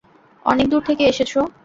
অনেকদূর থেকে এসেছ।